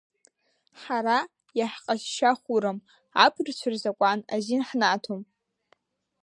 Ҳара иаҳҟазшьахәырам, аԥырцәа рзакәан азин ҳнаҭом!